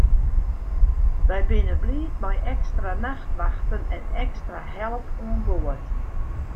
Wy binne bliid mei ekstra nachtwachten en ekstra help oan board.